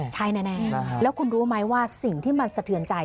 ใช่แน่แล้วคุณรู้ไหมว่าสิ่งที่มันสะเทือนใจ